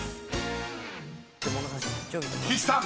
［岸さん］